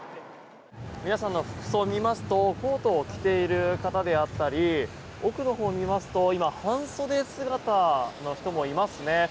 皆さんの服装を見ますとコートを着ている方であったり多くのほうを見ますと今半袖姿の人もいますね。